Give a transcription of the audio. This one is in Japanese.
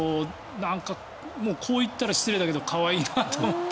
なんかこう言ったら失礼だけど可愛いなと思って。